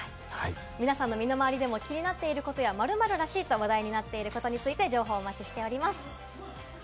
皆さんの身の回りでも気になっていることや「○○らしい」と話題になっていることなど、皆さまの情報をお待ちしています。